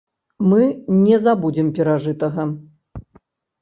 Мы не забудзем перажытага.